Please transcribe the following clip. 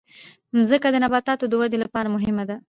مځکه د نباتاتو د ودې لپاره مهمه ده.